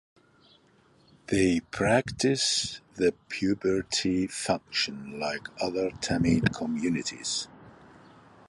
They practice the puberty function like other Tamil communities.